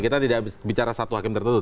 kita tidak bicara satu hakim tertentu